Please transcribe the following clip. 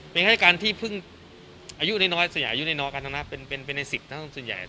เป็นแค่การที่พึ่งอายุน้อยน้อยส่วนใหญ่อายุน้อยน้อยกันทั้งนั้นเป็นเป็นเป็นในศิษย์ทั้งส่วนใหญ่